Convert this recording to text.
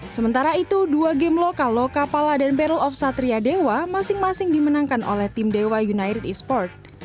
sementara itu dua game lokal loka pala dan battle of satria dewa masing masing dimenangkan oleh tim dewa united esports